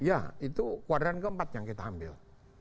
ya itu kuadran keempat yang kita ambil